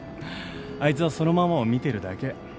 あいつはそのままを見てるだけ。